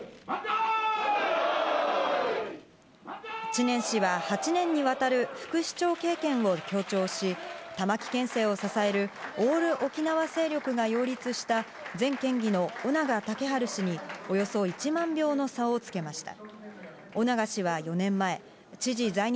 知念氏は８年にわたる副市長経験を強調し、玉城県政を支えるオール沖縄勢力が擁立した前県議の翁長雄治氏におよそ１万票の差をつけました。